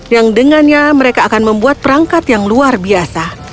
yang dengannya mereka akan membuat perangkat yang luar biasa